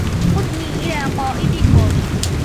خذني إلى قائدكم.